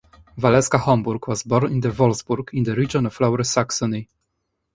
Valeska Homburg was born in Wolfsburg the region of Lower Saxony.